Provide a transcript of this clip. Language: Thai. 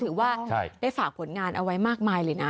ถือว่าได้ฝากผลงานเอาไว้มากมายเลยนะ